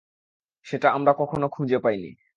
সেটা আমরা কখনো খুঁজে পাইনি।